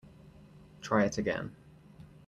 Try it again.